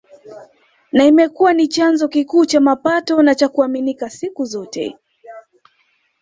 Na imekuwa ni chanzo kikuu cha mapato na cha kuaminika siku zote